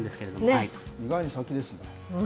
意外に先ですよね。